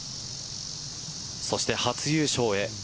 そして初優勝へ。